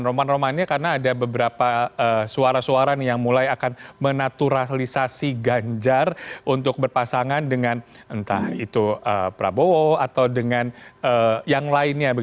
roman romannya karena ada beberapa suara suara yang mulai akan menaturalisasi ganjar untuk berpasangan dengan entah itu prabowo atau dengan yang lainnya